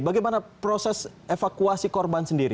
bagaimana proses evakuasi korban sendiri